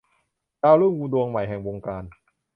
ดาวรุ่งดวงใหม่แห่งวงการ